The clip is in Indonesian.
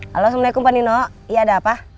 halo assalamualaikum pak nino iya ada apa